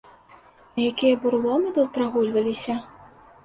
А якія бураломы тут прагульваліся!